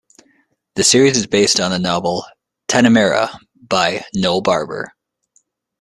The series is based on the novel, "Tanamera", by Noel Barber.